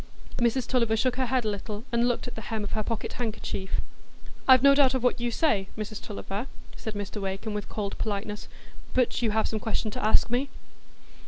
Mrs Tulliver shook her head a little, and looked at the hem of her pocket handkerchief. "I've no doubt of what you say, Mrs Tulliver," said Mr Wakem, with cold politeness. "But you have some question to ask me?"